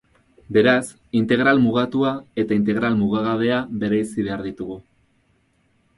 Beraz, integral mugatua eta integral mugagabea bereizi behar ditugu.